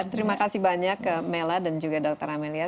terima kasih banyak mela dan juga dr amelia